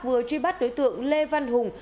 vừa truy bắt đối tượng lê văn hùng